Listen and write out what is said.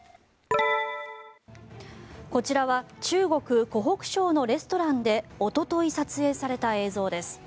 こちらは中国・湖北省のレストランでおととい撮影された映像です。